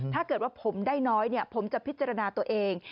ถ้าเกิดว่าผมได้น้อยผมจะพิจารณาตัวเอง